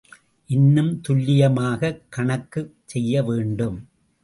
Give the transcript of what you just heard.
இன்னும் துல்லியமாகக் கணக்குச் செய்யவேண்டும்.